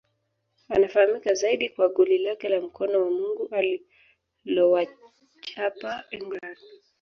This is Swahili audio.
Anafahamika zaidi kwa goli lake la mkono wa Mungu alilowachapa England